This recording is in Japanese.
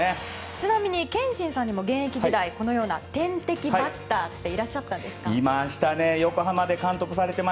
ちなみに憲伸さんにも現役時代このような天敵バッターっていました！